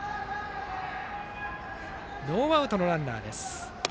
ノーアウトのランナーです。